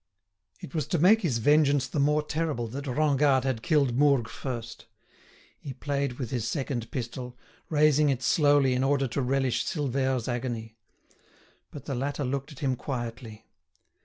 It was to make his vengeance the more terrible that Rengade had killed Mourgue first. He played with his second pistol, raising it slowly in order to relish Silvère's agony. But the latter looked at him quietly.